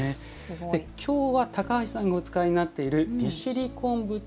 今日は高橋さんがお使いになっている利尻昆布と